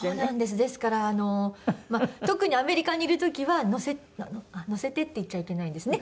ですから特にアメリカにいる時は乗せてあっ「乗せて」って言っちゃいけないんですね。